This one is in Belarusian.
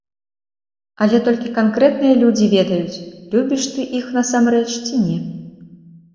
Але толькі канкрэтныя людзі ведаюць, любіш ты іх насамрэч ці не.